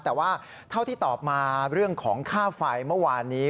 แต่ว่าเท่าที่ตอบมาเรื่องของค่าไฟเมื่อวานนี้